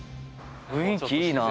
雰囲気いいな。